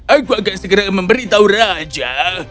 aku akan segera memberitahu raja